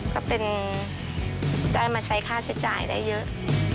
ก็เป็นได้มาใช้ค่าใช้จ่ายได้เยอะ